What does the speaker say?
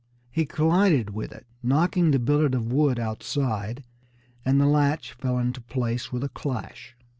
He collided with it, knocking the billet of wood outside, and the latch fell into place with a clash.